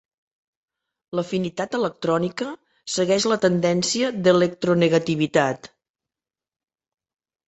L'afinitat electrònica segueix la tendència d'electronegativitat.